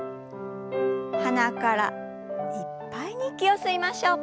鼻からいっぱいに息を吸いましょう。